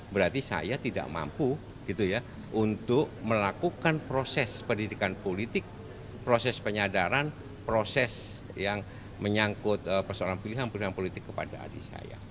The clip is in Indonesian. berarti saya tidak mampu gitu ya untuk melakukan proses pendidikan politik proses penyadaran proses yang menyangkut persoalan pilihan pilihan politik kepada adik saya